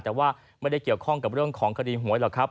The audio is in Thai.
แต่ว่าไม่ได้เกี่ยวข้องกับเรื่องของคดีหวยหรอกครับ